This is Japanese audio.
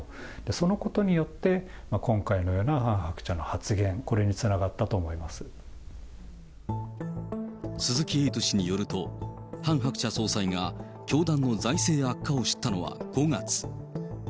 そのことによって、今回のようなハン・ハクチャの発言、鈴木エイト氏によると、ハン・ハクチャ総裁が教団の財政悪化を知ったのは５月。